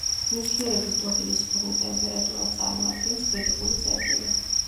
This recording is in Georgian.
ნივთიერების დუღილის ზღვრულ ტემპერატურას წარმოადგენს კრიტიკული წერტილი.